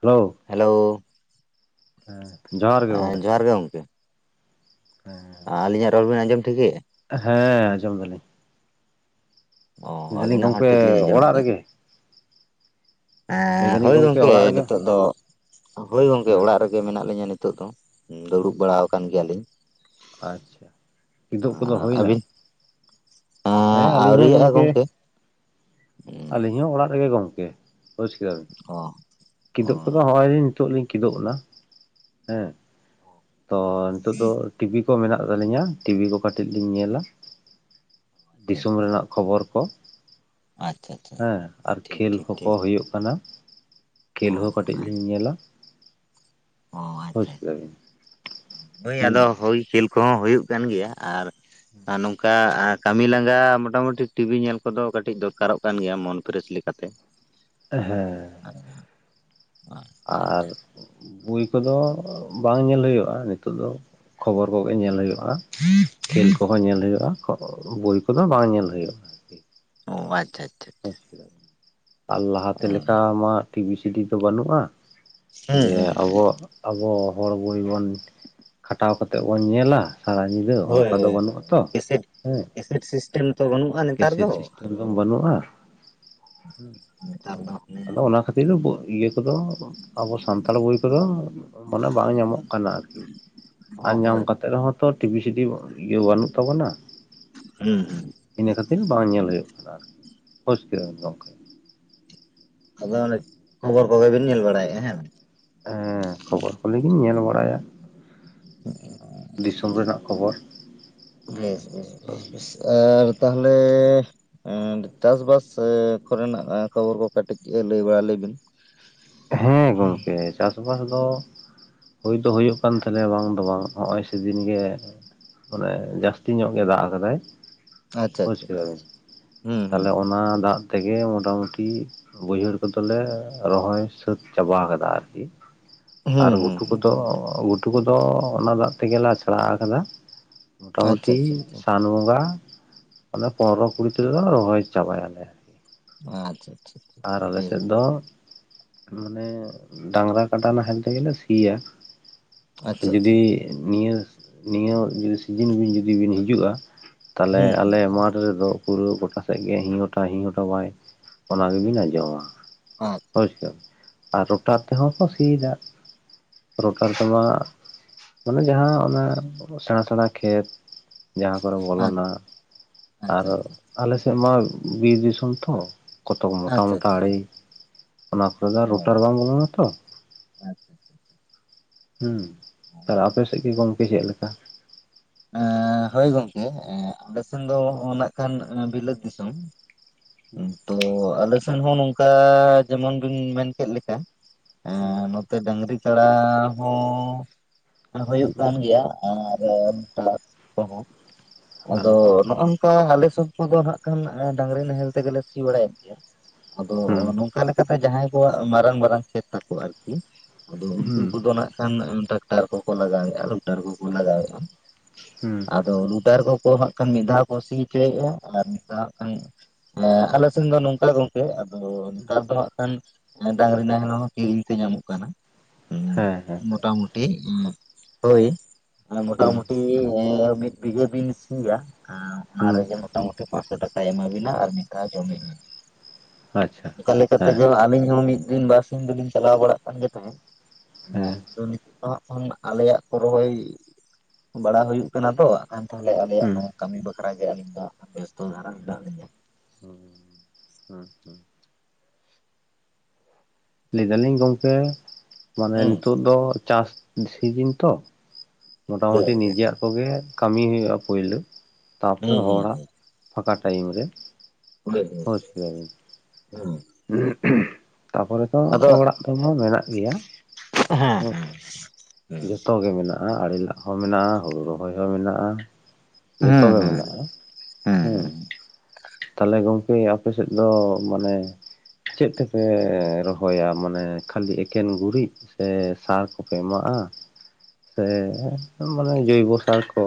Hello, hello, ᱦᱮᱸ ᱡᱚᱦᱟᱸᱨ ᱜᱮ ᱜᱚᱝᱠᱮ ᱦᱟᱸᱨ ᱜᱮ ᱜᱚᱝᱠᱮ ᱦᱮᱸ ᱟᱹᱞᱤᱧᱟᱜ ᱨᱚᱲ ᱵᱤᱱ ᱟᱸᱡᱚᱢ ᱴᱷᱤᱠᱟᱹᱭᱮᱜ-ᱟ? ᱦᱮ ᱟᱸᱡᱚᱢ ᱫᱟᱞᱤᱧ᱾ ᱚ ᱞᱟᱹᱭ ᱫᱟᱞᱤᱧ ᱟᱵᱤᱱᱟᱜ ᱦᱚᱸ ᱜᱚᱝᱠᱮ ᱴᱷᱤᱠ ᱞᱤᱧ ᱟᱸᱡᱚᱢᱮᱫ ᱚᱲᱟᱜ ᱨᱮᱜᱮ? ᱮ ᱞᱟᱹᱭ ᱫᱟᱞᱤᱧ ᱦᱳᱭ ᱜᱚᱝᱠᱮ ᱚᱲᱟᱜ ᱨᱮᱜᱮ ᱱᱤᱛᱳᱜ ᱫᱚ ᱦᱳᱭ ᱜᱚᱝᱠᱮ ᱦᱩᱸ ᱚᱲᱟᱜ ᱨᱮ ᱜᱮ ᱢᱮᱱᱟᱜ ᱞᱤᱧᱟᱹ ᱱᱤᱛᱳᱜ ᱫᱚ ᱫᱩᱲᱩᱵ ᱵᱟᱲᱟᱣ ᱠᱟᱱ ᱜᱮᱭᱟ ᱞᱤᱧ᱾ ᱟᱪᱪᱷᱟ ᱠᱤᱫᱳᱵ ᱠᱚᱫᱚ ᱦᱩᱭ ᱱᱟ? ᱟᱹᱵᱤᱱ ᱮᱸ ᱦᱮ ᱟᱹᱞᱤᱧ ᱦᱚ ᱟᱹᱣᱨᱤᱭᱟᱜᱼᱟ ᱜᱚᱝᱠᱮ [unintelligible] ᱟᱹᱞᱤᱧ ᱦᱚ ᱚᱲᱟᱜ ᱨᱮᱜᱮ ᱜᱚᱝᱠᱮ ᱵᱩᱪ ᱠᱮᱫᱟ ᱵᱤᱱ? ᱚ ᱚ ᱠᱤᱫᱩᱵ ᱠᱚᱫᱚ ᱦᱚᱜ-ᱚᱭ ᱞᱤᱧ ᱱᱤᱛᱳᱜ ᱞᱤᱧ ᱠᱤᱫᱩᱵ ᱱᱟ ᱦᱮ ᱛᱚ ᱱᱤᱛᱳᱜ ᱫᱚ ᱴᱤᱵᱤ ᱠᱚ ᱢᱮᱱᱟᱜ ᱛᱟᱞᱤᱧᱟ ᱴᱤᱵᱤ ᱠᱚ ᱠᱟᱹᱴᱤᱜ ᱞᱤᱧ ᱧᱮᱞᱟ ᱫᱤᱥᱚᱢ ᱨᱮᱱᱟᱜ ᱠᱷᱚᱵᱚᱨ ᱠᱚ᱾ ᱟᱪᱪᱷᱟ ᱟᱪᱪᱷᱟ, ᱦᱮ ᱟᱨ ᱴᱷᱤᱠ ᱠᱷᱮᱞ ᱴᱷᱤᱠ ᱠᱚ ᱠᱚ ᱴᱷᱤᱠ ᱦᱩᱭᱩᱜ ᱠᱟᱱᱟ ᱠᱷᱮᱞ ᱚ ᱦᱚᱸ ᱠᱟᱹᱴᱤᱡ ᱞᱤᱧ ᱧᱮᱞᱟ᱾ ᱚ ᱵᱩᱡᱽ ᱟᱪᱪᱷᱟ ᱟᱪ ᱠᱮᱫᱟᱵᱤᱱ ᱦᱳᱭ ᱦᱩᱸ ᱟᱫᱚ ᱦᱳᱭ ᱠᱷᱮᱞ ᱠᱚᱦᱚ ᱦᱩᱭᱩᱜ ᱠᱟᱱ ᱜᱮᱭᱟ ᱟᱨ ᱟᱨ ᱱᱚᱝᱠᱟ ᱠᱟᱹᱢᱤ ᱞᱟᱸᱜᱟ ᱢᱚᱴᱟ ᱢᱩᱴᱤ ᱴᱤᱵᱤ ᱧᱮᱞ ᱠᱚᱫᱚ ᱠᱟᱹᱴᱤᱡ ᱫᱚᱨᱠᱟᱨᱚᱜ ᱠᱟᱱ ᱜᱮᱭᱟ ᱢᱚᱱ ᱯᱷᱮᱨᱮᱥ ᱞᱮᱠᱟᱛᱮ᱾ [inaudible] ᱮᱦᱮ [inaudible] ᱟᱪᱪᱷᱟ ᱟᱨ ᱵᱩᱭ ᱠᱚᱫᱚ ᱵᱟᱝ ᱧᱮᱞ ᱦᱩᱭᱩᱜ-ᱟ ᱱᱤᱛᱳ ᱫᱚ, ᱠᱷᱚᱵᱚᱨ ᱠᱚᱜᱮ ᱧᱮᱞ ᱦᱩᱭᱩᱜ-ᱟ, ᱠᱷᱮᱞ ᱠᱚᱦᱚᱸ ᱧᱮᱞ ᱦᱩᱭᱩᱜ-ᱟ, ᱵᱳᱭ ᱠᱚᱫᱚ ᱵᱟᱝ ᱧᱮᱞ ᱦᱩᱭᱩᱜ-ᱟ᱾ ᱚ ᱟᱪᱪᱷᱟ ᱟᱪᱪᱷᱟ ᱟᱪᱪᱷᱟ ᱟᱨ ᱚ ᱞᱟᱦᱟᱛᱮ ᱞᱮᱠᱟ ᱢᱟ ᱴᱤᱵᱷᱤ ᱥᱤᱰᱤ ᱫᱚ ᱵᱟᱹᱱᱩᱜ-ᱟ, ᱦᱩᱸ ᱡᱮ ᱦᱩᱸ ᱟᱵᱚ, ᱟᱵᱚ ᱦᱚᱲ ᱵᱳᱭ ᱵᱚᱱ ᱠᱷᱟᱴᱟᱣ ᱠᱟᱛᱮᱜ ᱵᱚᱱ ᱧᱮᱞᱟ, ᱥᱟᱸᱬᱟ ᱧᱤᱫᱟᱹ ᱚᱱᱠᱟ ᱫᱚ ᱵᱟᱹᱱᱩᱜ ᱟᱛᱚ ᱦᱮ, ᱮᱰ ᱥᱤᱥᱴᱮᱢ ᱛᱚ ᱵᱟᱹᱱᱩᱜ-ᱟ᱾ ᱠᱮᱥᱮᱴ ᱥᱤᱥᱴᱮᱢ ᱫᱚ ᱵᱟᱹᱱᱩᱜ-ᱟ ᱱᱮᱛᱟᱨ ᱫᱚ ᱦᱟᱱᱮ ᱟᱫᱚ ᱚᱱᱟ ᱠᱷᱟ ᱯᱟᱹᱭᱞᱟᱹᱵ ᱤᱭᱟᱹ ᱠᱚᱫᱚ ᱟᱵᱚ ᱥᱟᱱᱛᱟᱲ ᱵᱳᱭ ᱠᱚᱫᱚ ᱢᱟᱱᱮ ᱵᱟᱝ ᱧᱟᱢᱚᱜ ᱠᱟᱱᱟ ᱟᱨ ᱠᱤ᱾ ᱟᱨ ᱦᱚᱸ ᱧᱟᱢ ᱦᱳᱭ ᱠᱟᱛᱮᱜ ᱨᱮᱦᱚᱸ ᱛᱚ ᱴᱤᱵᱷᱤ ᱥᱤᱰᱤ ᱤᱭᱟᱹ ᱵᱟᱹᱱᱩᱜ ᱛᱟᱵᱚᱱᱟ, ᱦᱩᱸ ᱦᱩᱸ ᱤᱱᱟᱹ ᱠᱷᱟᱹᱛᱤᱨ ᱵᱟᱝ ᱧᱮᱞ ᱦᱩᱭᱳᱜ ᱠᱟᱱᱟ ᱟᱨᱠᱤ ᱵᱳᱪ ᱠᱮᱫᱟ ᱵᱤᱱ ᱜᱚᱝᱠᱮ ᱟᱫᱚ ᱚᱱᱮ ᱠᱷᱚᱵᱚᱨ ᱠᱚᱜᱮ ᱵᱤᱱ ᱧᱮᱞ ᱵᱟᱲᱟᱭᱮᱜ ᱦᱮᱸ ᱵᱟᱝ ᱦᱮ ᱠᱷᱚᱵᱚᱨ ᱠᱚ ᱞᱮᱜᱮᱞᱤᱧ ᱧᱮᱞ ᱵᱟᱲᱟᱭᱟ᱾ ᱫᱤᱥᱳᱢ ᱨᱮᱱᱟᱜ ᱠᱷᱚᱵᱚᱨ, ᱵᱮᱥ ᱵᱮᱥ ᱵᱮᱥ ᱵᱮᱥ ᱟᱨ ᱛᱟᱦᱞᱮ ᱮ ᱱᱰ ᱪᱟᱥᱵᱟᱥ ᱠᱚᱨᱮᱱᱟᱜ ᱠᱷᱚᱵᱚᱨ ᱠᱚ ᱠᱟᱹᱴᱤᱡ ᱞᱟᱹᱭ ᱵᱟᱲᱟ ᱞᱮ ᱵᱤᱱ? ᱦᱮᱸ ᱜᱚᱢᱠᱮ ᱪᱟᱥᱵᱟᱥ ᱫᱚ ᱦᱩᱭ ᱫᱚ ᱦᱩᱭᱩᱜ ᱠᱟᱱ ᱛᱟᱞᱮᱭᱟ ᱵᱟᱝ ᱫᱚ ᱵᱟᱝ ᱦᱚᱜ-ᱚᱭ ᱥᱮᱫᱤᱱ ᱜᱮ, ᱢᱟᱱᱮ ᱡᱟᱹᱥᱛᱤ ᱧᱚᱜ ᱜᱮ ᱫᱟᱜ ᱟᱠᱟᱫᱟᱭ᱾ ᱟᱪᱪᱷᱟ ᱵᱳᱡᱽ ᱟᱪᱪᱷᱟ ᱠᱮᱫᱟ ᱟᱪᱪᱷᱟ ᱵᱤᱱ ᱦᱩᱸ ᱦᱩᱸ ᱛᱟᱦᱞᱮ ᱚᱱᱟ ᱫᱟᱜ ᱛᱮᱜᱮ ᱢᱚᱴᱟ ᱢᱩᱴᱤ ᱵᱟᱹᱭᱦᱟᱹᱲ ᱠᱚᱫᱚᱞᱮ ᱨᱚᱦᱚᱭ ᱥᱟᱹᱛ ᱪᱟᱵᱟ ᱟᱠᱟᱫᱟ ᱟᱨᱠᱤ, ᱟᱨ ᱦᱩᱸ ᱦᱩᱸ ᱜᱷᱩᱴᱩ ᱦᱩᱸ ᱠᱚᱫᱚ ᱜᱩ ᱴᱩ ᱠᱚᱫᱚ ᱚᱱᱟ ᱫᱟᱜ ᱛᱮᱜᱮ ᱞᱮ ᱟᱪᱷᱲᱟ ᱟᱠᱟᱫᱟ᱾ ᱢᱚᱴᱟ ᱟᱪᱪᱷᱟ ᱢᱩᱴᱤ ᱟᱪᱪᱷᱟ ᱟᱪᱪᱷᱟ ᱥᱟᱱ ᱵᱚᱸᱜᱟ ᱚᱱᱟ ᱯᱚᱱᱨᱚ ᱠᱩᱲᱤ ᱛᱮᱫᱚ ᱨᱚᱦᱚᱭ ᱪᱟᱵᱟᱭ ᱟᱞᱮ᱾ ᱟᱪᱪᱷᱟ ᱟᱪᱪᱷᱟ ᱾ ᱟᱨ ᱟᱞᱮ ᱥᱮᱫ ᱫᱚ ᱢᱟᱱᱮ ᱰᱟᱝᱨᱟ ᱠᱟᱰᱟ ᱱᱟᱦᱮᱞ ᱛᱮᱜᱮᱞᱮ ᱥᱤᱭᱟ, ᱟᱪᱪᱷᱟ ᱟᱪᱪᱷᱟ ᱡᱩᱫᱤ ᱱᱤᱭᱟᱹ ᱱᱤᱭᱟᱹ ᱡᱩᱫᱤ ᱥᱤᱡᱤᱱ ᱵᱤᱱ ᱡᱩᱫᱤ ᱵᱤᱱ ᱦᱤᱡᱩᱜ-ᱟ ᱛᱟᱦᱚᱞᱮ ᱦᱩᱸ ᱟᱞᱮ ᱦᱩᱸ ᱢᱟᱴᱷ ᱨᱮᱫᱚ ᱯᱩᱨᱟᱹ ᱜᱚᱴᱟ ᱥᱮᱫ ᱜᱮ ᱦᱤᱝ ᱜᱚᱴᱟ ᱦᱤᱝ ᱜᱚᱴᱟ ᱵᱟᱭ ᱚᱱᱟ ᱜᱮᱵᱤᱱ ᱟᱸᱡᱚᱢᱟ ᱾ [unintelligible] ᱦᱳᱭᱥᱮ ᱟᱨ ᱨᱩᱴᱟᱨ ᱛᱮᱦᱚᱸ ᱠᱚ ᱥᱤᱭᱮᱫᱟ ᱾ ᱨᱩᱴᱟᱨ ᱛᱮᱢᱟ ᱢᱟᱱᱮ ᱡᱟᱦᱟᱸ ᱚᱱᱟ ᱥᱮᱬᱟ ᱥᱮᱬᱟ ᱠᱷᱮᱛ ᱡᱟᱦᱟᱸ ᱠᱚᱨᱮ ᱵᱚᱞᱚᱱᱟ ᱟᱪᱪᱷᱟ ᱟᱨ ᱟᱪᱪᱷᱟ ᱟᱞᱮ ᱥᱮᱫ ᱢᱟ ᱵᱤᱨ ᱫᱤᱥᱚᱢ ᱛᱚ᱾ ᱠᱚᱛᱚ ᱢᱚᱴᱟ ᱟᱪᱪᱷᱟ ᱢᱚᱴᱟ ᱟᱪᱪᱷᱟ ᱟᱲᱮ ᱚᱱᱟ ᱠᱚᱨᱮ ᱫᱚ ᱨᱩᱴᱟᱨ ᱚ ᱵᱟᱝ ᱵᱚᱞᱚᱱᱟ ᱛᱚ᱾ ᱟᱪᱪᱷᱟ᱾ ᱦᱩᱸ ᱛᱟᱦᱚᱞᱮ ᱟᱯᱮ ᱥᱮᱫ ᱜᱮ ᱜᱚᱝᱠᱮ ᱪᱮᱫ ᱞᱮᱠᱟ? ᱮᱸ ᱦᱳᱭ ᱜᱚᱝᱠᱮ ᱟᱞᱮ ᱥᱮᱱ ᱫᱚ ᱱᱟᱜ ᱠᱷᱟᱱ ᱵᱤᱞᱟᱹᱛ ᱫᱤᱥᱚᱢ᱾ ᱦᱩᱸ [unintelligible] ᱛᱚ ᱟᱞᱮ ᱥᱮᱱ ᱦᱚᱸ ᱱᱚᱝᱠᱟ ᱡᱮᱢᱚᱱ ᱵᱤᱱ ᱢᱮᱱ ᱠᱮᱫ ᱞᱮᱠᱟ᱾ ᱦᱩ ᱰᱟᱝᱨᱤ ᱠᱟᱲᱟ ᱦᱚᱸ ᱦᱩᱭᱩᱜ ᱦᱩᱸ ᱠᱟᱱ ᱜᱮᱭᱟ, ᱟᱨ ᱠᱚᱸᱦᱚ ᱦᱮᱸ ᱟᱫᱚ ᱱᱚᱜ ᱱᱚᱝᱠᱟ ᱟᱞᱮ ᱥᱚᱵ ᱠᱚᱫᱚ ᱦᱟᱸᱜ ᱠᱷᱟᱱ ᱰᱟᱝᱨᱤ ᱱᱟᱦᱮᱞ ᱛᱮᱜᱮᱞᱮ ᱥᱤ ᱵᱟᱲᱟᱭᱮᱫ ᱜᱮᱭᱟ᱾ ᱟᱫᱚ ᱦᱩᱸ ᱱᱚᱝᱠᱟ ᱞᱮᱠᱟᱛᱮ ᱡᱟᱦᱟᱸᱭ ᱠᱚᱣᱟᱜ ᱢᱟᱨᱟᱝ ᱢᱟᱨᱟᱝ ᱠᱷᱮᱛ ᱛᱟᱠᱚ ᱟᱨᱠᱤ ᱟᱫᱚ ᱩᱱᱠᱩ ᱦᱩᱸ ᱠᱚᱫᱚ ᱱᱟᱜ ᱠᱷᱟᱱ ᱴᱨᱟᱠᱴᱟᱨ ᱠᱚᱠᱚ ᱞᱟᱜᱟᱣᱮᱟ ᱞᱩᱴᱟᱨ ᱠᱚᱠᱚ ᱞᱟᱜᱟᱣᱮᱟ ᱾ ᱦᱩᱸ᱾ ᱟᱫᱚ ᱨᱩᱴᱟᱨ ᱠᱚᱠᱚ ᱦᱟᱸᱜ ᱠᱷᱟᱱ ᱢᱤᱫ ᱫᱷᱟᱣ ᱠᱚ ᱥᱤ ᱦᱚᱪᱚᱭᱮᱟ ᱟᱨ ᱢᱤᱫ ᱫᱷᱟᱣ ᱦᱟᱸᱜ ᱠᱷᱟᱱ ᱮ ᱟᱞᱮ ᱥᱮᱱ ᱫᱚ ᱱᱚᱝᱠᱟ ᱜᱚᱝᱠᱮ᱾ ᱛᱚ ᱱᱮᱛᱟᱨ ᱫᱚ ᱦᱟᱸᱜ ᱠᱷᱟᱱ ᱰᱟᱝᱨᱤ ᱱᱟᱦᱮᱞ ᱦᱚᱸ ᱠᱤᱨᱤᱧ ᱛᱮ ᱧᱟᱢᱚᱜ ᱠᱟᱱᱟ᱾ ᱦᱮᱸ ᱦᱮᱸ ᱢᱳᱴᱟᱢᱩᱴᱤ ᱦᱳᱭ ᱦᱩᱸ ᱢᱚᱴᱟᱢᱩᱴᱤ ᱢᱤᱫ ᱵᱤᱜᱷᱟᱹ ᱵᱤᱱ ᱥᱤᱭᱟ ᱦᱩᱸ ᱚᱱᱟᱨᱮ ᱡᱮᱢᱚᱱ ᱢᱳᱴᱮ ᱯᱟᱸᱥᱥᱚ ᱴᱟᱠᱟᱭ ᱮᱢᱟ ᱵᱤᱱᱟ ᱟᱨ ᱢᱤᱫ ᱫᱷᱟᱣ ᱡᱚᱢ ᱮᱢᱟ ᱵᱤᱱᱟ᱾ ᱟᱪᱪᱷᱟ ᱚᱱᱠᱟ ᱞᱮᱠᱟ ᱦᱮᱸ ᱛᱮᱜᱮ ᱟᱞᱤᱧ ᱦᱚᱸ ᱢᱤᱫ ᱫᱤᱱ ᱵᱟᱨᱥᱤᱧ ᱫᱚᱞᱤᱧ ᱪᱟᱞᱟᱣ ᱵᱟᱲᱟᱜ ᱠᱟᱱ ᱜᱮ ᱛᱟᱦᱮᱸᱫ᱾ ᱦᱮᱸ ᱟᱫᱚ ᱱᱤᱛᱳᱜ ᱫᱚ ᱦᱟᱸᱜ ᱠᱷᱟᱱ ᱟᱞᱮᱭᱟᱜ ᱠᱚ ᱨᱚᱦᱚᱭ ᱵᱟᱲᱟᱭ ᱦᱩᱭᱩᱜ ᱠᱟᱱᱟ ᱛᱚ ᱠᱷᱟᱱ ᱛᱟᱦᱚᱞᱮ ᱟᱞᱮᱭᱟᱜ ᱦᱩᱸ ᱱᱚᱣᱟ ᱠᱟᱹᱢᱤ ᱵᱟᱠᱷᱟᱜᱮ ᱟᱹᱞᱤᱧ ᱫᱚ ᱵᱮᱥᱛᱚ ᱫᱷᱟᱨᱟ ᱢᱮᱱᱟᱜ ᱞᱤᱧᱟ᱾ [unintelligible] ᱞᱟᱹᱭ ᱫᱟᱞᱤᱧ ᱜᱚᱝᱠᱮ ᱢᱟᱱᱮ ᱦᱩᱸ ᱱᱤᱛᱚᱜ ᱫᱚ ᱪᱟᱥ ᱥᱤᱡᱤᱱ ᱛᱚ᱾ ᱦᱩᱸ ᱢᱳᱴᱟᱢᱩᱴᱤ ᱱᱤᱡᱮᱨᱟᱜ ᱠᱚᱜᱮ ᱠᱟᱹᱢᱤ ᱦᱩᱭᱩᱜ-ᱟ ᱯᱳᱭᱞᱳ ᱛᱟᱨᱯᱚᱨᱮ ᱦᱩᱸ ᱦᱚᱲᱟᱜ ᱦᱩᱸ ᱯᱷᱟᱠᱟ ᱴᱟᱭᱤᱢ ᱨᱮ ᱵᱩᱡᱽ ᱠᱮᱫᱟ ᱵᱤᱱ᱾ ᱦᱩᱸ ᱛᱟᱯᱚᱨᱮ ᱛᱚ ᱟᱫᱚ ᱚᱲᱟᱜ ᱠᱷᱚᱱ ᱢᱮᱱᱟᱜ ᱜᱮᱭᱟ᱾ ᱦᱮᱸ ᱡᱚᱛᱚ ᱜᱮ ᱢᱮᱱᱟᱜ-ᱟ ᱟᱲᱮ ᱞᱟᱜ ᱦᱚᱸ ᱢᱮᱱᱟᱜ-ᱟ, ᱦᱩᱲᱩ ᱨᱚᱦᱚᱭ ᱦᱚᱸ ᱢᱮᱱᱟᱜ-ᱟ᱾ ᱦᱮᱸ ᱦᱮᱸ ᱦᱩᱸ ᱡᱚᱛᱚᱜᱮ ᱦᱩᱸ ᱢᱮᱱᱟᱜ-ᱟ ᱦᱩᱸ ᱦᱮᱸ ᱾ ᱦᱩᱸ ᱛᱟᱦᱚᱞᱮ ᱜᱚᱝᱠᱮ ᱟᱯᱮ ᱥᱮᱫ ᱫᱚ ᱢᱟᱱᱮ ᱪᱮᱫ ᱛᱮᱯᱮ ᱨᱚᱦᱚᱭᱟ ᱢᱟᱱᱮ ᱠᱷᱟᱹᱞᱤ ᱮᱠᱮᱱ ᱜᱩᱨᱤᱡ? ᱥᱮ ᱥᱟᱨ ᱠᱚᱯᱮ ᱮᱢᱟᱜ-ᱟ? ᱥᱮ ᱢᱟᱱᱮ ᱡᱳᱭᱵᱚ ᱥᱟᱨ ᱠᱚ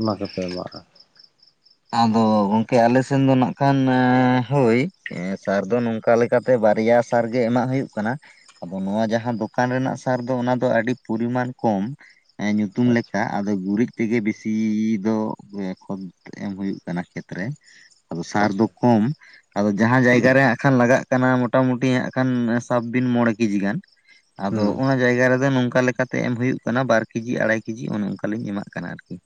ᱚᱱᱟ ᱠᱚᱯᱮ ᱮᱢᱟᱜ-ᱟ? ᱟᱫᱚ ᱜᱚᱝᱠᱮ ᱟᱞᱮᱥᱮᱱ ᱫᱚ ᱱᱟᱜ ᱠᱷᱟᱱ ᱦᱳᱭ ᱥᱟᱨ ᱫᱚ ᱱᱚ ᱠᱟ ᱞᱮᱠᱟᱛᱮ ᱵᱟᱨᱭᱟ ᱥᱟᱨ ᱜᱮ ᱮᱢᱟᱜ ᱦᱩᱭᱩᱜ ᱠᱟᱱᱟ ᱾ ᱟᱫᱚ ᱱᱚᱣᱟ ᱡᱟᱦᱟᱸ ᱫᱚᱠᱟᱱ ᱨᱮᱱᱟᱜ ᱥᱟᱨ ᱫᱚ ᱚᱱᱟ ᱫᱚ ᱟᱹᱰᱤ ᱯᱚᱨᱤᱢᱟᱱ ᱠᱚᱢ, ᱮ ᱧᱩᱛᱩᱢ ᱟᱪᱪᱷᱟ ᱞᱮᱠᱟ ᱟᱫᱚ ᱜᱩᱨᱤᱡ ᱛᱮᱜᱮ ᱵᱤᱥᱤ ᱫᱚ ᱮᱠᱷᱚᱱ ᱮᱢ ᱦᱩᱭᱩᱜ ᱠᱟᱱᱟ ᱠᱷᱮᱛ ᱨᱮ, ᱟᱫᱚ ᱥᱟᱨ ᱫᱚ ᱠᱚᱢ ᱟᱫᱚ ᱡᱟᱦᱟᱸ ᱡᱟᱭᱜᱟ ᱨᱮ ᱠᱷᱟᱱ ᱞᱟᱜᱟᱜ ᱠᱟᱱᱟ ᱢᱚᱴᱟᱢᱩᱴᱤ ᱦᱟᱸᱜ ᱠᱷᱟᱱ ᱥᱟᱵ ᱵᱤᱱ ᱢᱚᱬᱮ ᱠᱮᱡᱤ ᱜᱟᱱ ᱾ ᱟᱫᱚ ᱦᱩᱸ ᱚᱱᱟ ᱡᱟᱭᱜᱟ ᱨᱮᱫᱚ ᱱᱚᱝᱠᱟ ᱞᱮᱠᱟᱛᱮ ᱮᱢ ᱦᱩᱭᱩᱜ ᱠᱟᱱᱟ ᱵᱟᱨ ᱠᱮᱡᱤ ᱟᱲᱟᱭ ᱠᱮᱡᱤ ᱚᱱᱮ ᱚᱱᱠᱟ ᱞᱤᱧ ᱮᱢᱟᱜ ᱠᱟᱱᱟ ᱟᱨᱠᱤ ᱾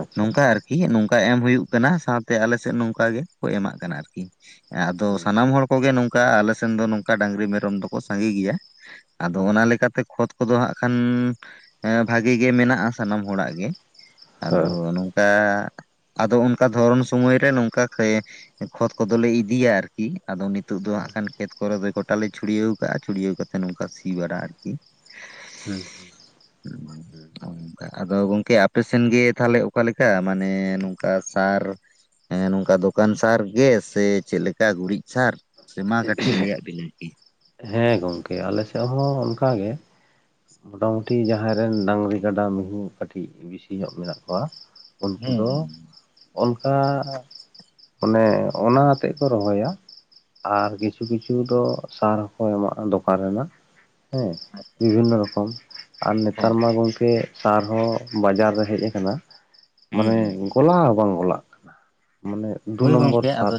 ᱟᱪᱪᱷᱟ ᱱᱚᱝᱠᱟ ᱟᱨᱠᱤ ᱱᱚᱝᱠᱟ ᱮᱢ ᱦᱩᱭᱩᱜ ᱠᱟᱱᱟ ᱥᱟᱶᱛᱮ ᱟᱞᱮ ᱥᱮᱫ ᱱᱚᱝᱠᱟ ᱜᱮᱠᱚ ᱮᱢᱟᱜ ᱠᱟᱱᱟ ᱟᱨᱠᱤ ᱾ ᱟᱫᱚ ᱦᱩᱸ ᱥᱟᱱᱟᱢ ᱦᱚᱲ ᱠᱚᱜᱮ ᱱᱚᱝᱠᱟ ᱟᱞᱮ ᱥᱮᱱ ᱫᱚ ᱱᱚᱝᱠᱟ ᱰᱟᱝᱨᱤ ᱢᱮᱨᱚᱢ ᱫᱚᱠᱚ ᱥᱟᱸᱜᱮ ᱜᱮᱭᱟ ᱾ ᱟᱫᱚ ᱦᱩᱸ ᱚᱱᱟ ᱞᱮᱠᱟᱛᱮ ᱠᱷᱚᱛ ᱠᱚᱫᱚ ᱦᱟᱸᱜ ᱠᱷᱟᱱ ᱮᱸ ᱵᱷᱟᱜᱮ ᱜᱮ ᱢᱮᱱᱟᱜᱼᱟ ᱥᱟᱱᱟᱢ ᱦᱚᱲᱟᱜ ᱜᱮ ᱾ ᱟᱫᱚ ᱦᱮᱸ ᱱᱚᱝᱠᱟ ᱟᱫᱚ ᱚᱱᱠᱟ ᱫᱷᱚᱨᱚᱱ ᱥᱚᱢᱚᱭ ᱨᱮ ᱱᱚᱝᱠᱟ ᱠᱷᱟᱹᱭ ᱠᱷᱚᱛ ᱠᱚᱫᱚᱞᱮ ᱤᱫᱤᱭᱟ ᱟᱨᱠᱤ, ᱟᱫᱚ ᱱᱤᱛ ᱛᱚᱜ ᱫᱚ ᱦᱟᱸᱜ ᱠᱷᱟᱱ ᱠᱷᱮᱛ ᱠᱚᱨᱮ ᱫᱚ ᱜᱚᱴᱟ ᱞᱮ ᱪᱷᱩᱲᱭᱟᱹᱣ ᱠᱟᱜᱼᱟ, ᱪᱷᱩᱲᱭᱟᱹᱣ ᱠᱟᱛᱮᱜ ᱱᱚᱝᱠᱟ ᱥᱤ ᱵᱟᱲᱟ ᱟᱨᱠᱤ ᱦᱮᱸ ᱾ ᱚ ᱱᱚᱝᱠᱟ ᱟᱫᱚ ᱜᱚᱝᱠᱮ ᱟᱯᱮ ᱥᱮᱱ ᱜᱮ ᱛᱟᱦᱚᱠᱮ ᱚᱠᱟᱞᱮᱠᱟ? ᱢᱟᱱᱮ ᱠᱟ ᱥᱟᱨ ᱱᱚᱝᱠᱟ ᱫᱚᱠᱟᱱ ᱥᱟᱨ ᱜᱮ ᱥᱮ ᱪᱮᱫ ᱞᱮᱠᱟ ᱜᱩᱨᱤᱡ ᱥᱟᱨ? ᱥᱮ ᱢᱟ ᱠᱟᱹᱴᱤᱡ ᱞᱟᱹᱭᱟᱫ ᱵᱮᱞᱮ ᱾ ᱦᱮᱸ ᱜᱚᱝᱠᱮ ᱟᱞᱮᱥᱮᱫ ᱦᱚᱸ ᱚᱱᱠᱟ ᱜᱮ ᱾ ᱢᱚᱴᱟᱢᱩᱴᱤ ᱡᱟᱦᱟᱸᱭ ᱨᱮᱱ ᱰᱟᱝᱨᱤ ᱜᱟᱰᱟ ᱢᱤᱦᱩ ᱠᱟᱹᱴᱤᱡ ᱵᱤᱥᱤ ᱧᱚᱜ ᱢᱮᱱᱟᱜ ᱠᱚᱣᱟ, ᱩᱱᱠᱩ ᱫᱚ ᱦᱩᱸ ᱚᱱᱠᱟ ᱢᱟᱱᱮ ᱚᱱᱟ ᱟᱛᱮᱫ ᱠᱚ ᱨᱚᱦᱚᱭᱟ ᱾ ᱟᱨ ᱠᱤᱪᱷᱩ ᱠᱤᱪᱷᱩ ᱫᱚ ᱥᱟᱨ ᱦᱚᱸᱠᱚ ᱮᱢᱟᱜᱼᱟ ᱫᱚᱠᱟᱱ ᱨᱮᱱᱟᱜ, ᱦᱮᱸ ᱵᱤᱵᱷᱤᱱᱱᱚ ᱨᱚ ᱠᱚᱢ ᱟᱨ ᱦᱩᱸ ᱱᱮᱛᱟᱨ ᱢᱟ ᱜᱚᱝᱠᱮ ᱥᱟᱨ ᱦᱚᱸ ᱵᱟᱡᱟᱨ ᱨᱮ ᱦᱮᱡ ᱟᱠᱟᱱᱟ ᱾ ᱦᱮᱸ ᱦᱩᱸ ᱢᱟᱱᱮ ᱦᱩᱸ ᱦᱩᱸ ᱜᱚᱞᱟᱣ ᱦᱚᱸ ᱵᱟᱝ ᱜᱚᱞᱟᱜ ᱠᱟᱱᱟ, ᱢᱟᱱᱮ ᱫᱩ ᱦᱤᱭ ᱱᱚᱢᱵᱚᱨ ᱜᱚᱝᱠᱮ ᱥᱟᱨ ᱟᱫᱚ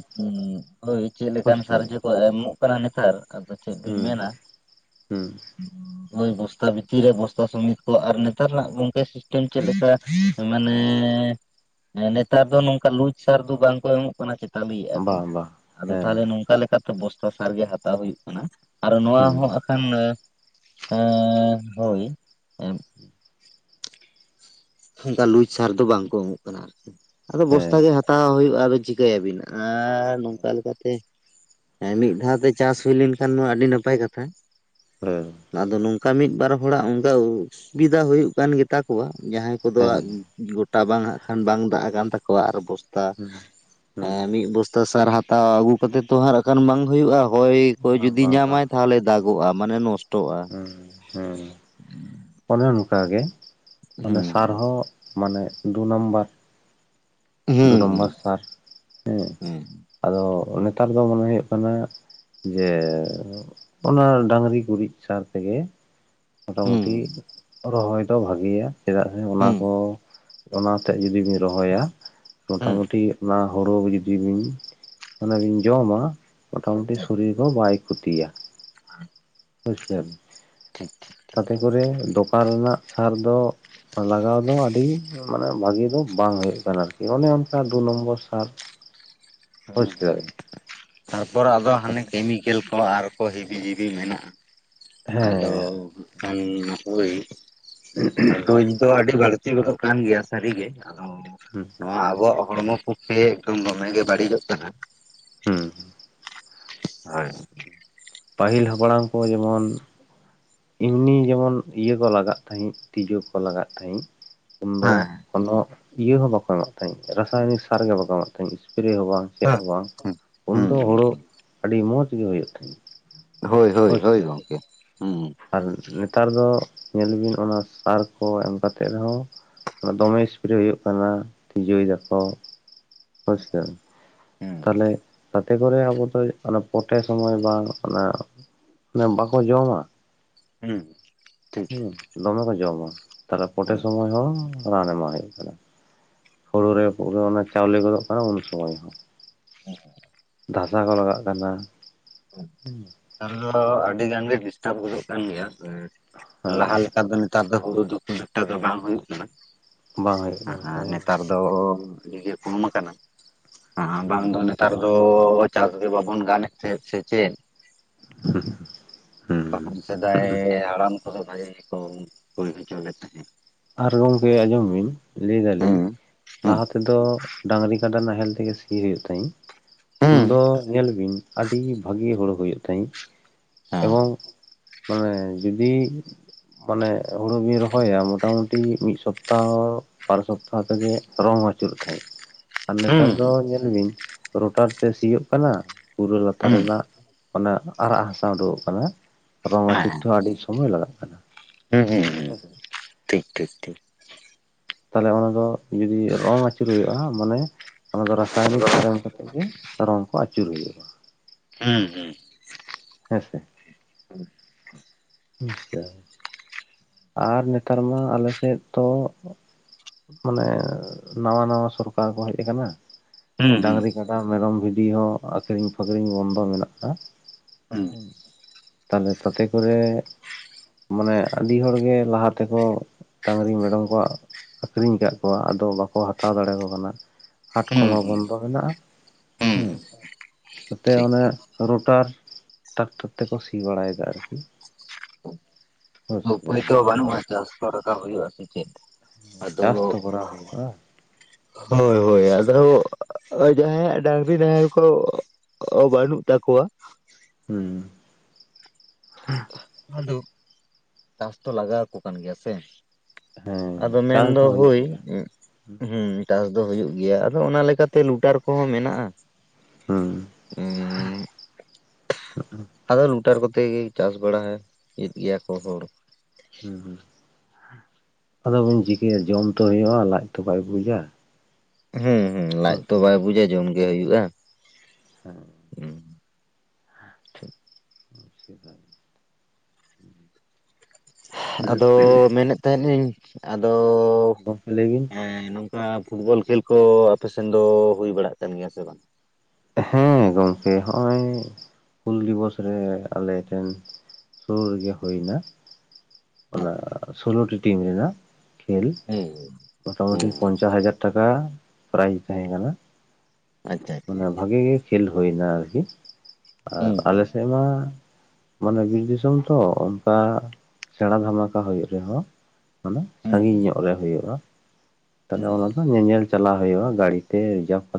ᱦᱳᱭ ᱪᱮᱫ ᱵᱩᱡᱽ ᱞᱮᱠᱟᱱ ᱥᱟᱨ ᱠᱮᱫᱟᱢ ᱡᱮᱠᱚ ᱮᱢᱚᱜ ᱠᱟᱱᱟ ᱱᱮᱛᱟᱨ! ᱟᱫᱟ ᱪᱮᱫ ᱵᱤᱱ ᱦᱩᱸ ᱢᱮᱱᱟ ᱦᱩᱸ [inaudible] ᱦᱳᱭ ᱵᱚᱥᱛᱟ ᱵᱷᱤᱛᱤᱨ ᱨᱮ ᱵᱚᱥᱛᱟ ᱥᱚᱢᱤᱛ ᱠᱚ ᱟᱨ ᱱᱮᱛᱟᱨ ᱨᱮᱱᱟᱜ ᱜᱚᱝᱠᱮ ᱥᱤᱥ ᱴᱮᱢ ᱪᱮᱫ ᱞᱮᱠᱟ ᱢᱟᱱᱮ ᱱᱮᱛᱟᱨ ᱫᱚ ᱱᱚᱝᱠᱟ ᱞᱩᱡᱽ ᱥᱟᱨ ᱫᱚ ᱵᱟᱝ ᱠᱚ ᱮᱢᱚᱜ ᱠᱟᱱᱟ ᱪᱮ ᱛᱟᱹᱢᱤᱭᱮᱫ ᱠᱚ, ᱵᱟᱝ ᱵᱟᱝ ᱟᱫᱚ ᱛᱟᱦᱚᱞᱮ ᱦᱮᱸ ᱱᱚᱝᱠᱟ ᱞᱮᱠᱟᱛᱮ ᱵᱚᱥᱛᱟ ᱥᱟᱨ ᱜᱮ ᱦᱟᱛᱟᱣ ᱦᱩᱭᱩᱜ ᱠᱟᱱᱟ ᱾ ᱟᱨ ᱱᱚᱣᱟ ᱦᱩᱸ ᱦᱚᱸ ᱟᱠᱷᱟᱱ ᱮᱸᱻ ᱦᱳᱭ ᱾ ᱚᱱᱠᱟ ᱞᱩᱡ ᱥᱟᱨ ᱫᱚ ᱵᱟᱝ ᱠᱚ ᱮᱢᱚᱜ ᱠᱟᱱᱟ ᱟᱨᱠᱤ ᱾ ᱟᱫᱚ ᱦᱮᱸ ᱵᱚᱥᱛᱟ ᱜᱮ ᱦᱟᱛᱟᱣ ᱦᱩᱭᱩᱜᱼᱟ ᱟᱫᱚ ᱪᱤᱠᱟᱹᱭᱟᱵᱤᱱ? ᱟᱨᱻ ᱱᱚᱝᱠᱟ ᱞᱮᱠᱟᱛᱮ ᱮᱸ ᱢᱤᱫ ᱫᱷᱟᱣ ᱛᱮ ᱪᱟᱥ ᱦᱩᱭ ᱞᱮᱱᱠᱷᱟᱱ ᱢᱟ ᱟᱹᱰᱤ ᱱᱟᱯᱟᱭ ᱠᱟᱛᱷᱟ ᱾ ᱦᱳᱭ ᱾ ᱟᱫᱚ ᱱᱚᱝᱠᱟ ᱢᱤᱫ ᱵᱟᱨ ᱦᱚᱲᱟᱜ ᱚᱱᱠᱟ ᱚᱥᱩᱵᱤᱫᱷᱟ ᱦᱩᱭᱩᱜ ᱠᱟᱱ ᱜᱮᱛᱟ ᱠᱚᱣᱟ ᱾ ᱡᱟᱦᱟᱸᱭ ᱠᱚ ᱫᱚ ᱦᱮᱸ ᱣᱟᱜ ᱜᱚᱴᱟ ᱵᱟᱝ ᱦᱟᱸᱜ ᱠᱷᱟᱱ ᱵᱟᱝ ᱫᱟᱜ ᱟᱠᱟᱱ ᱛᱟᱠᱚᱣᱟ, ᱟᱨ ᱵᱚᱥ ᱛᱟ ᱦᱩᱸ ᱮ ᱦᱩᱸ ᱢᱤᱫ ᱵᱚᱥᱛᱟ ᱥᱟᱨ ᱦᱟᱛᱟᱣ ᱟᱹᱜᱩ ᱠᱟᱛᱮᱫ ᱛᱚ ᱦᱟᱸᱜ ᱟᱨ ᱟᱠᱷᱟᱱ ᱵᱟᱝ ᱦᱩᱭᱩᱜᱼᱟ ᱾ ᱦᱚᱭ ᱠᱚ ᱵᱟᱝ ᱡᱩᱫᱤ ᱵᱟᱝ ᱧᱟᱢᱟᱭ ᱵᱟᱝ ᱛᱟᱦᱚᱞᱮ ᱫᱟᱜᱚᱜᱼᱟ ᱢᱟᱱᱮ ᱱᱚᱥᱴᱚᱜᱼᱟ ᱾ ᱦᱩᱸ ᱦᱩᱸ ᱚᱱᱮ ᱚᱱᱠᱟ ᱜᱮ ᱟᱱᱮ ᱥᱟᱨ ᱦᱩᱸ ᱦᱚᱸ ᱢᱟᱱᱮ ᱫᱩ ᱱᱟᱢᱵᱟᱨ ᱾ ᱫᱩ ᱦᱩᱸ ᱦᱩᱸ ᱱᱚᱢᱵᱚᱨ ᱥᱟᱨ, ᱦᱮᱸ ᱾ ᱟᱫᱚ ᱱᱮᱛᱟᱨ ᱫᱚ ᱢᱚᱱᱮ ᱦᱩᱭᱩᱜ ᱠᱟᱱᱟ ᱡᱮ ᱚᱱᱟ ᱰᱟᱝᱨᱤ ᱜᱩᱨᱤᱡ ᱥᱟᱨ ᱛᱮᱜᱮ ᱢᱳᱴᱟᱢᱩᱴᱤ ᱦᱩᱸ ᱨᱚᱦᱚᱭ ᱫᱚ ᱵᱷᱟᱜᱮᱭᱟ ᱪᱮᱫᱟᱜ ᱥᱮ ᱦᱩᱸ ᱚᱱᱟ ᱦᱩᱸ ᱠᱚ ᱚᱱᱟ ᱛᱮᱜ ᱡᱩᱫᱤᱵᱤᱱ ᱨᱚᱦᱚᱭᱟ, ᱦᱩᱸ ᱢᱚᱴᱟᱢᱩᱴᱤ ᱚᱱᱟ ᱦᱳᱲᱳ ᱡᱩᱫᱤ ᱵᱤᱱ ᱚᱱᱟ ᱵᱤᱱ ᱡᱚᱢᱟ ᱢᱚᱴᱟᱢᱩᱴᱤ ᱥᱚᱨᱤᱨ ᱫᱚ ᱵᱟᱭ ᱠᱷᱚᱛᱤᱭᱟ ᱾ ᱟᱨ ᱵᱩᱡ [unintelligible] ᱴᱷᱤᱠ ᱴᱷᱤᱠ᱾ ᱛᱟᱛᱮ ᱠᱚᱨᱮ ᱫᱚᱠᱟᱱ ᱨᱮᱱᱟᱜ ᱥᱟᱨ ᱫᱚ ᱞᱟᱜᱟᱣ ᱫᱚ ᱟᱹᱰᱤ ᱢᱟᱱᱮ ᱵᱷᱟᱹᱜᱤ ᱫᱚ ᱵᱟᱝ ᱦᱩᱭᱩᱜ ᱠᱟᱱᱟ ᱟᱨᱠᱤ ᱚᱱᱮ ᱚᱱᱠᱟ ᱫᱩ ᱱᱚᱢᱵᱚᱨ ᱥᱟᱨ ᱦᱩᱸ ᱵᱩᱡᱽ ᱦᱩᱸ᱾ ᱠᱮᱫᱟᱵᱤᱱ ᱛᱟᱨᱯᱚᱨ ᱟᱫᱚ ᱦᱟᱸᱱᱮ ᱠᱮᱢᱤᱠᱮᱞ ᱠᱚ ᱟᱨ ᱠᱚ ᱦᱮᱵᱤ ᱡᱤᱵᱤ ᱢᱮᱱᱟᱜᱼᱟ᱾ ᱟᱫᱚ ᱦᱮᱸ ᱦᱟᱸᱜ ᱠᱷᱟᱱ ᱦᱳᱭ ᱨᱳᱜ ᱫᱚ ᱟᱹᱰᱤ ᱵᱟᱲ ᱛᱤ ᱜᱚᱫᱚᱜ ᱠᱟᱱ ᱜᱮᱭᱟ ᱥᱟᱹᱨᱤᱜᱮ ᱟᱫᱚ ᱦᱩᱸ ᱱᱚᱣᱟ ᱟᱵᱚᱣᱟᱜ ᱦᱚᱲᱢᱚ ᱯᱚᱠᱠᱷᱮ ᱮᱠᱫᱚᱢ ᱫᱚᱢᱮ ᱜᱮ ᱵᱟᱹᱲᱤᱡᱚᱜ ᱠᱟᱱᱟ, ᱦᱩᱸ᱾ ᱦᱳᱭ᱾ ᱯᱟᱹᱦᱤᱞ ᱦᱟᱯᱲᱟᱢ ᱠᱚ ᱡᱮᱢᱚᱱ ᱮᱢᱱᱤ ᱡᱮᱢᱚᱱ ᱤᱭᱟᱹ ᱠᱚ ᱞᱟᱜᱟᱜ ᱛᱟᱦᱮᱸᱜ ᱛᱤᱡᱩ ᱠᱚ ᱞᱟᱜᱟᱜ ᱛᱟᱦᱮᱸᱜ, ᱦᱮᱸ ᱩᱱᱫᱚ ᱠᱱᱚ ᱤᱭᱟᱹ ᱦᱚᱸ ᱵᱟᱠᱚ ᱮᱢᱟᱜ ᱛᱟᱦᱮᱸᱡ ᱨᱟᱥᱟᱭᱱᱤᱠ ᱥᱟᱨ ᱜᱮ ᱵᱟᱠᱚ ᱮᱢᱟᱜ ᱛᱟᱦᱮᱸᱡ ᱥᱥᱯᱨᱮ ᱦᱚᱸ ᱵᱟᱝ, ᱦᱮᱸ ᱪᱮᱫ ᱦᱚᱸ ᱦᱩᱸ ᱵᱟᱝ ᱩᱱᱫᱚ ᱦᱩᱸ ᱦᱳᱲᱳ ᱦᱩᱸ ᱟᱹᱰᱤ ᱢᱚᱸᱡᱽ ᱜᱮ ᱦᱩᱭᱩᱜ ᱛᱟᱦᱮᱸᱫ᱾ ᱦᱳᱭ ᱦᱳᱭ ᱵᱩᱡᱽ ᱦᱳᱭ ᱠᱮᱫᱟ ᱵᱤᱱ ᱜᱚᱝᱠᱮ ᱦᱩᱸ᱾ ᱟᱨ ᱱᱮᱛᱟᱨ ᱫᱚ ᱧᱮᱞ ᱵᱤᱱ ᱚᱱᱟ ᱥᱟᱨ ᱠᱚ ᱮᱢ ᱠᱟᱛᱮᱜ ᱨᱮᱦᱚᱸ ᱫᱚᱢᱮ ᱮᱥᱯᱨᱮ ᱦᱩᱭᱩᱜ ᱠᱟᱱᱟ ᱛᱤᱡᱩᱭ ᱫᱟᱠᱚ ᱦᱳᱭᱥᱮ? ᱦᱩᱸ [unintelligible] ᱠᱚᱨᱮ ᱟᱵᱚ ᱫᱚ ᱚᱱᱟ ᱯᱚᱴᱮ ᱥᱚᱢᱚᱭ ᱵᱟᱝ ᱚᱱᱟ ᱵᱟᱠᱚ ᱡᱚᱢᱟ? ᱦᱩᱸ ᱴᱷᱤᱠ᱾ ᱦᱩᱸ ᱫᱚᱢᱮ ᱠᱚ ᱡᱚᱢᱟ ᱛᱟᱦᱞᱮ ᱯᱚᱴᱮ ᱦᱩᱸ ᱥᱚᱢᱚᱭ ᱦᱚᱸ ᱨᱟᱱ ᱮᱢᱟᱜ ᱦᱩᱭᱩᱜ ᱠᱟᱱᱟ᱾ ᱦᱩᱲᱩ ᱨᱮ ᱯᱩᱨᱟᱹ ᱚᱱᱟ ᱪᱟᱣᱞᱮ ᱜᱚᱫᱚᱜ ᱠᱟᱱᱟ ᱩᱱ ᱥᱚᱢᱚᱭ ᱦᱚᱸ᱾ [inaudible] ᱫᱷᱟᱥᱟ ᱠᱚ ᱞᱟᱜᱟᱜ ᱠᱟᱱᱟ ᱦᱩᱸ᱾ ᱱᱮᱛᱟᱨ ᱫᱚ ᱟᱹᱰᱤ ᱜᱟᱱᱜᱮ ᱰᱤᱥᱴᱟᱵ ᱜᱚᱫᱚᱜ ᱠᱟᱱ ᱜᱮᱭᱟ ᱥᱮ ᱞᱟᱦᱟ ᱞᱮᱠᱟ ᱫᱚ ᱱᱮᱛᱟᱨ ᱫᱚ ᱦᱩᱲᱩ ᱫᱚ ᱠᱷᱩᱵ ᱮᱠᱴᱟ ᱫᱚ ᱵᱟᱝ ᱦᱩᱭᱩᱜ ᱠᱟᱱᱟ ᱵᱟᱝ ᱦᱩᱭᱩᱜ ᱠᱟᱱᱟ ᱟᱨ ᱦᱮᱸ ᱱᱮᱛᱟᱨ ᱫᱚ ᱤᱭᱟᱹ ᱜᱮ ᱠᱚᱢ ᱠᱟᱱᱟ ᱵᱟᱝ ᱦᱩᱸ ᱫᱚ ᱚᱱᱮ ᱱᱮᱛᱟᱨ ᱫᱚ ᱪᱟᱥ ᱜᱮ ᱵᱟᱵᱚᱱ ᱜᱟᱱᱮᱫ ᱛᱟᱦᱮᱸᱫ ᱥᱮ ᱪᱮᱫ? [inaudible] ᱵᱟᱝᱠᱷᱟᱱ ᱥᱮᱫᱟᱭ ᱦᱩᱸ ᱦᱟᱲᱟᱢ ᱠᱚᱫᱚ ᱵᱷᱟᱜᱤ ᱜᱮᱠᱚ ᱦᱩᱭ ᱦᱚᱪᱚ ᱞᱮᱫ ᱛᱟᱦᱮᱸᱫ᱾ ᱟᱨ ᱜᱚᱝᱠᱮ ᱟᱸᱡᱚᱢ ᱵᱤᱱ ᱞᱟᱹᱭ ᱫᱟᱞᱤᱧ ᱦᱩᱸ ᱦᱩᱸ ᱞᱟᱦᱟ ᱛᱮᱫᱚ ᱰᱟᱹᱝᱨᱤ ᱠᱟᱰᱟ ᱱᱟᱦᱮᱞ ᱛᱮᱜᱮ ᱥᱤ ᱦᱩᱭᱩᱜ ᱛᱟᱷᱮᱫ, ᱩᱱ ᱦᱩᱸ ᱫᱚ ᱧᱮᱞ ᱵᱤᱱ ᱟᱹᱰᱤ ᱵᱷᱟᱹᱜᱤ ᱦᱩᱲᱩ ᱦᱩᱭᱩᱜ ᱛᱟᱦᱮᱸᱫ᱾ ᱦᱮᱸ ᱮᱵᱚᱝ ᱢᱟᱱᱮ ᱡᱩᱫᱤ ᱢᱟᱱᱮ ᱦᱩᱲᱩ ᱵᱤᱱ ᱨᱚᱦᱚᱭᱟ ᱢᱚᱴᱟ ᱢᱩᱴᱤ ᱢᱤᱫ ᱥᱚᱯᱛᱟᱦᱚ ᱵᱟᱨ ᱥᱚᱯᱛᱟᱦᱚ ᱛᱮᱜᱮ ᱨᱚᱝ ᱟᱹᱪᱩᱨᱚᱜ ᱛᱟᱦᱮᱸᱜ᱾ ᱟᱨ ᱦᱩᱸ ᱱᱮᱛᱟᱨ ᱫᱚ ᱦᱩᱸ ᱧᱮᱞ ᱵᱤᱱ ᱨᱳᱚᱴᱟᱨ ᱛᱮ ᱥᱤᱭᱳᱜ ᱠᱟᱱᱟ ᱯᱩᱨᱟᱹ ᱞᱟᱛᱟᱨ ᱨᱮᱱᱟᱜ ᱚᱱᱟ ᱟᱨᱟᱜ ᱦᱟᱥᱟ ᱩᱰᱩᱠᱚᱜ ᱠᱟᱱᱟ ᱨᱚᱝ ᱟᱪᱩᱨ ᱦᱮᱸ ᱛᱮᱦᱚᱸ ᱟᱹᱰᱤ ᱥᱚᱢᱚᱭ ᱞᱟᱜᱟᱜ ᱠᱟᱱᱟ᱾ ᱦᱩᱸ ᱦᱩᱸ ᱾ [inaudible] ᱴᱷᱤᱠ ᱴᱷᱤᱠ ᱴᱷᱤᱠ᱾ ᱛᱟᱦᱚᱞᱮ ᱚᱱᱟ ᱫᱚ ᱡᱩᱫᱤ ᱨᱚᱝ ᱟᱹᱪᱩᱨ ᱦᱩᱭᱩᱜᱼᱟ ᱢᱟᱱᱮ ᱚᱱᱟ ᱫᱚ ᱨᱟᱥᱟᱭᱚᱱᱤᱠ ᱥᱟᱨ ᱮᱢ ᱠᱟᱛᱮᱫ ᱜᱮ ᱨᱚᱝ ᱠᱚ ᱟᱹᱪᱩᱨ ᱦᱩᱭᱩᱜᱼᱟ᱾ ᱦᱩᱸ ᱦᱩᱸ᱾ ᱦᱮᱸᱥᱮ? ᱟᱪᱪᱷᱟ ᱟᱨ ᱱᱮᱛᱟᱨ ᱢᱟ ᱟᱞᱮ ᱥᱮᱫ ᱫᱚ ᱢᱟᱱᱮ ᱱᱟᱣᱟ ᱱᱟᱣᱟ ᱥᱚᱨᱠᱟᱨ ᱠᱚ ᱦᱮᱡ ᱟᱠᱟᱱᱟ ᱦᱩᱸ ᱦᱩᱸ ᱰᱟᱝᱨᱤ ᱠᱟᱰᱟ ᱢᱮᱨᱚᱢ ᱵᱷᱤᱰᱤ ᱦᱚᱸ ᱟᱹᱠᱷᱨᱤᱧ ᱯᱷᱠᱷᱨᱤᱧ ᱵᱚᱱᱫᱚ ᱢᱮᱱᱟᱜᱼᱟ ᱦᱩᱸ ᱦᱩ ᱛᱟᱦᱞᱮ ᱛᱟᱛᱮ ᱠᱚᱨᱮ ᱢᱟᱱᱮ ᱟᱹᱰᱤ ᱦᱚᱲᱜᱮ ᱞᱟᱦᱟ ᱛᱮᱠᱚ ᱰᱟᱹᱝᱨᱤ ᱢᱮᱨᱚᱢ ᱠᱚ ᱟᱠᱷᱨᱤᱧ ᱟᱠᱟᱜ ᱠᱚᱣᱟ ᱟᱫᱚ ᱵᱟᱠᱚ ᱦᱟᱛᱟᱣ ᱫᱟᱲᱮ ᱟᱠᱚ ᱠᱟᱱᱟ ᱦᱟᱴ ᱦᱩᱸ ᱠᱚᱢᱟ ᱦᱩᱸ ᱵᱚᱱᱫᱚ ᱢᱮᱱᱟᱜᱼᱟ ᱦᱩᱸ ᱦᱮᱸ ᱱᱤᱛᱚᱜ ᱴᱷᱤᱠ ᱚᱱᱮ ᱨᱳᱴᱟᱨ ᱴᱨᱟᱠᱴᱟᱨ ᱛᱮᱠᱚ ᱥᱤ ᱵᱟᱲᱟᱭᱮᱫᱟ ᱟᱨᱠᱤ ᱦᱳᱭ ᱥᱮ ᱯᱩᱭᱥᱟ ᱵᱟᱹᱱᱩᱜᱼᱟ ᱪᱟᱨᱥᱚ ᱴᱟᱠᱟ ᱦᱩᱭᱩᱜᱼᱟ ᱥᱮ ᱪᱮᱫ ᱟᱫᱚ ᱪᱟᱥ ᱛᱚ ᱠᱚᱨᱟᱣ ᱦᱩᱭᱩᱜᱼᱟ ᱦᱳᱭ ᱟᱫᱚ ᱡᱟᱦᱟᱸᱭᱟᱜ ᱰᱟᱝᱨᱤ ᱱᱟᱦᱮᱞ ᱠᱚ ᱚ ᱵᱟᱹᱱᱩᱜ ᱛᱟᱠᱚᱣᱟ ᱦᱩ ᱟᱫᱚ ᱪᱟᱥ ᱛᱚ ᱞᱟᱜᱟᱣ ᱟᱠᱚ ᱠᱟᱱ ᱜᱮᱭᱟ ᱥᱮ ᱦᱮᱸ ᱟᱫᱚ ᱪᱟᱥ ᱢᱮᱱᱫᱚ ᱫᱚ ᱦᱩᱭᱩᱜ ᱦᱳᱭ ᱜᱮᱭᱟ ᱦᱩᱸ ᱦᱮᱸ ᱪᱟᱥ ᱫᱚ ᱦᱩᱭᱩᱜ ᱜᱮᱭᱟ ᱟᱫᱚ ᱚᱱᱟ ᱞᱮᱠᱟᱛᱮ ᱞᱩᱴᱟᱨ ᱠᱚᱦᱚᱸ ᱢᱮᱱᱟᱜᱼᱟ ᱦᱩᱸ ᱮ [inaudible] ᱟᱫᱚ ᱨᱩᱴᱟᱨ ᱠᱚᱛᱮ ᱜᱮ ᱪᱟᱥ ᱵᱟᱲᱟ ᱮᱫ ᱜᱮᱭᱟ ᱠᱚ ᱦᱚᱲ ᱦᱩᱸ ᱦᱩᱸ ᱟᱫᱚ ᱵᱤᱱ ᱪᱤᱠᱟᱹᱭᱟ ᱡᱚᱢ ᱛᱚ ᱦᱩᱭᱩᱜᱼᱟ ᱞᱟᱡ ᱛᱚ ᱵᱟᱭ ᱵᱩᱡᱟ ᱦᱮᱸ ᱦᱮᱸ ᱞᱟᱡ ᱦᱳᱭ ᱛᱚ ᱥᱮ ᱵᱟᱭ ᱵᱩᱡᱟ ᱡᱚᱢ ᱜᱮ ᱦᱩᱭᱩᱜᱼᱟ ᱦᱮᱸ ᱥᱮᱫᱟᱭ ᱟᱫᱚ ᱢᱮᱱᱮᱫ ᱛᱟᱦᱮᱱᱤᱧ ᱟᱫᱚ ᱜᱚᱢᱠᱮ ᱞᱟᱹᱭ ᱵᱤᱱ ᱱᱚᱝᱼᱼ ᱠᱟ ᱯᱷᱩᱴᱵᱚᱞ ᱠᱷᱮᱞ ᱠᱚ ᱟᱯᱮ ᱥᱮᱱ ᱫᱚ ᱦᱩᱭ ᱵᱟᱲᱟᱜ ᱠᱟᱱ ᱜᱮᱭᱟ ᱥᱮ ᱵᱟᱝ ᱦᱮᱸ ᱜᱚᱢᱠᱮ ᱦᱚᱜᱼᱚᱭ ᱦᱩᱞ ᱫᱤᱵᱚᱥ ᱨᱮ ᱟᱞᱮ ᱴᱷᱮᱱ ᱥᱩᱨ ᱨᱮᱜᱮ ᱦᱩᱭᱱᱟ ᱚᱱᱟ ᱟᱪᱪᱷᱟ ᱥᱳᱞᱳᱴᱤ ᱴᱤᱢ ᱨᱮᱱᱟᱜ ᱠᱷᱮᱞ ᱦᱩᱸ ᱢᱚᱴᱟᱢᱩᱴᱤ ᱦᱩᱸ ᱯᱚᱧᱪᱟᱥ ᱦᱟᱡᱟᱨ ᱴᱟᱠᱟ ᱯᱨᱟᱭᱤᱡᱽ ᱛᱟᱦᱮᱸ ᱠᱟᱱᱟ ᱟᱪᱪᱷᱟ ᱟᱪᱪᱷᱟ ᱢᱟᱱᱮ ᱵᱷᱟᱜᱮ ᱜᱮ ᱠᱷᱮᱞ ᱦᱩᱭᱱᱟ ᱟᱨᱠᱤ ᱟᱨ ᱦᱩᱸ ᱟᱞᱮ ᱦᱩᱸ ᱥᱮᱫ ᱢᱟ ᱢᱟᱱᱮ ᱵᱤᱨ ᱫᱤᱥᱚᱢ ᱛᱚ ᱚᱱᱠᱟ ᱥᱮᱬᱟ ᱫᱷᱟᱢᱟᱠᱟ ᱦᱩᱭᱩᱜ ᱨᱮᱦᱚᱸ ᱚᱱᱮ ᱦᱩᱸ ᱥᱟᱺᱜᱤᱧ ᱧᱚᱜ ᱨᱮ ᱦᱩᱭᱩᱜᱼᱟ ᱦᱩᱸ ᱛᱟᱦᱞᱮ ᱦᱩᱸ ᱚᱱᱟ ᱫᱚ ᱧᱮᱧᱮᱞ ᱪᱟᱞᱟᱣ ᱦᱩᱭᱩᱜᱼᱟ ᱜᱟᱹᱲᱤᱛᱮ ᱨᱤᱡᱟᱨᱵᱷ ᱠᱟᱛᱮ